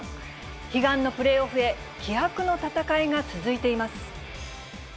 悲願のプレーオフへ、気迫の戦いが続いています。